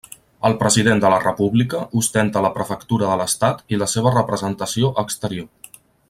El President de la República ostenta la prefectura de l'estat i la seva representació exterior.